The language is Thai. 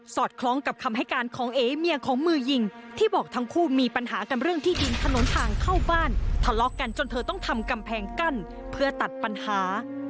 คล้องกับคำให้การของเอเมียของมือยิงที่บอกทั้งคู่มีปัญหากันเรื่องที่ดินถนนทางเข้าบ้านทะเลาะกันจนเธอต้องทำกำแพงกั้นเพื่อตัดปัญหา